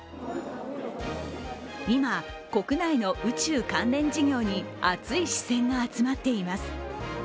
今、国内の宇宙関連事業に熱い視線が集まっています。